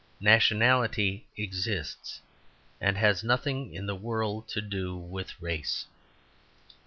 Nationality exists, and has nothing in the world to do with race.